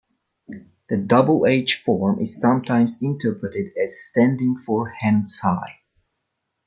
The "hh" form is sometimes interpreted as standing for "hands high.